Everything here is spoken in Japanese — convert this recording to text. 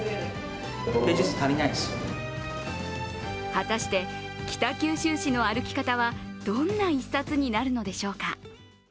果たして北九州市の歩き方はどんな一冊になるのでしょうか。